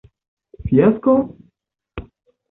Fiasko?